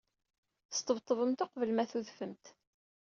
Sṭebṭbemt uqbel ma tudfemt-d.